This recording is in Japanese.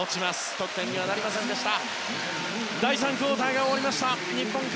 得点にはなりませんでした。